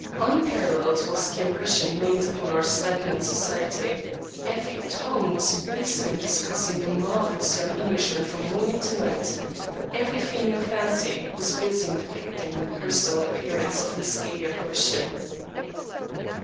Unparalleled was the impression made upon our stagnant society; every tongue was busy in discussing the marvelous young Englishman from morning to night; every female fancy was busy in depicting the personal appearance of this gay apparition.